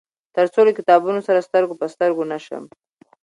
تر څو له کتابونه سره سترګو په سترګو نشم.